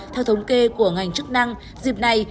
theo thống kê của ngành chức năng dịp này